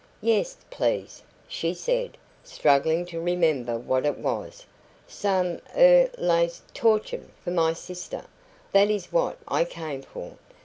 "Yes, please," she said, struggling to remember what it was. "Some er lace torchon for my sister; that is what I came for."